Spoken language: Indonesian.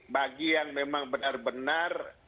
bagi yang memang benar benar